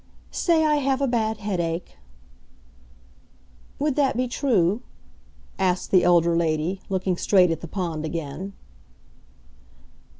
"Say I have a bad headache." "Would that be true?" asked the elder lady, looking straight at the pond again.